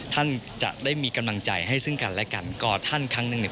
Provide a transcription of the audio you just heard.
ท่านจะได้มีกำลังใจให้ซึ่งกันและกันกอดท่านครั้งหนึ่งเนี่ย